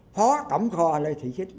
khó tổng kho lê thị xích